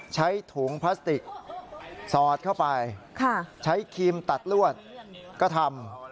ใช้ถุงพลาสติกสอดเข้าไปใช้ครีมตัดลวดก็ทำ